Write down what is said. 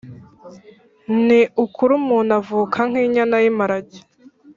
ni ukuri umuntu avuka nk’inyana y’imparage